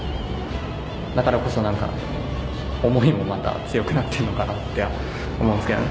だからこそ思いもまた強くなってるかなと思うんですけどね。